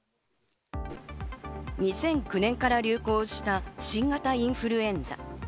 ２００９年から流行した新型インフルエンザ。